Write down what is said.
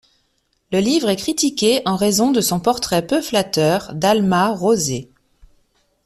Le livre est critiqué en raison de son portrait peu flatteur d'Alma Rosé.